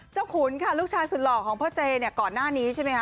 เจ้าขุนค่ะลูกชายสุดหลอกของพ่อเจก่อนหน้านี้ใช่ไหมคะ